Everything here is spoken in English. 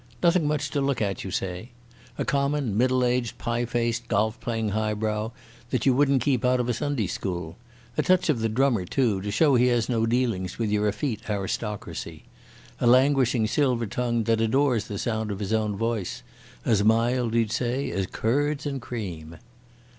Nothing much to look at, you say. A common, middle aged, pie faced, golf playing high brow, that you wouldn't keep out of a Sunday school. A touch of the drummer, too, to show he has no dealings with your effete aristocracy. A languishing silver tongue that adores the sound of his own voice. As mild, you'd say, as curds and cream."